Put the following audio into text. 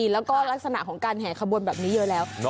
แล้วก็ลักษณะของการแห่ขบวนแบบนี้เยอะแล้ว